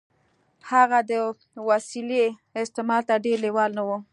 هغه د وسيلې استعمال ته ډېر لېوال نه و.